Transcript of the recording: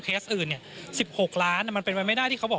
เคสอื่นเนี่ยสิบหกล้านมันเป็นไว้ไม่ได้ที่เขาบอก